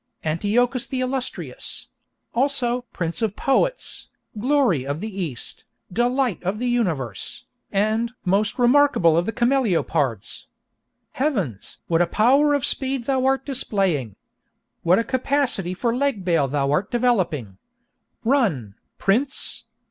Antiochus the Illustrious!—also 'Prince of Poets,' 'Glory of the East,' 'Delight of the Universe,' and 'Most Remarkable of Cameleopards!' Heavens! what a power of speed thou art displaying! What a capacity for leg bail thou art developing! Run, Prince!